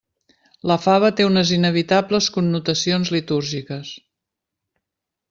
La fava té unes inevitables connotacions litúrgiques.